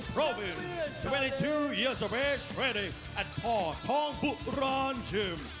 ๒๒ปีแล้วและพ่อท้องบุราณจิม